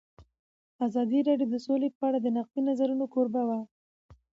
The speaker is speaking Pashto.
ازادي راډیو د سوله په اړه د نقدي نظرونو کوربه وه.